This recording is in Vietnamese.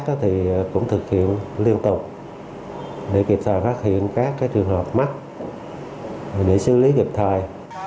thì cũng thực hiện liên tục để kịp thời phát hiện các trường hợp mắc để xử lý kịp thời